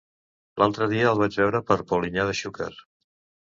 L'altre dia el vaig veure per Polinyà de Xúquer.